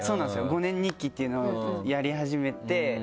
５年日記っていうのをやり始めて。